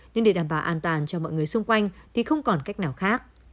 nhưng để đảm bảo an toàn cho mọi người xung quanh thì không còn cách nào khác